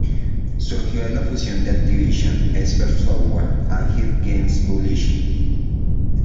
Surgió de la fusión de Activision, Expert Software y Head Games Publishing.